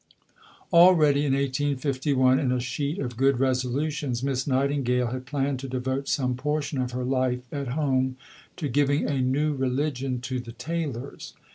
Already in 1851, in a sheet of good resolutions, Miss Nightingale had planned to devote some portion of her life at home to giving "a new religion to the Tailors."